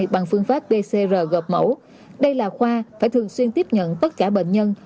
bằng phương pháp pcr gọp mẫu đây là khoa phải thường xuyên tiếp nhận tất cả bệnh nhân